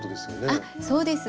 あっそうです。